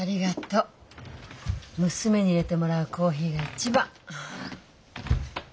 娘にいれてもらうコーヒーが一番。